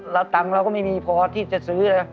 แล้วตังค์เราก็ไม่มีพอที่จะซื้อ